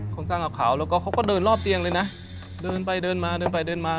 โครงสร้างกับเขาแล้วก็เขาก็เดินรอบเตียงเลยนะเดินไปเดินมาเดินไปเดินมา